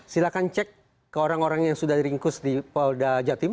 silahkan cek ke orang orang yang sudah diringkus di polda jatim